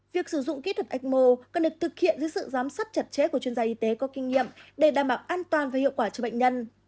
việc sử dụng kỹ thuật ecmo cần được thực hiện dưới sự giám sát chặt chẽ của chuyên gia y tế có kinh nghiệm để đảm bảo an toàn và hiệu quả cho bệnh nhân